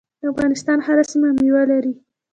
د افغانستان هره سیمه میوه لري.